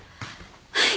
はい。